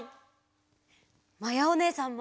まやおねえさんも！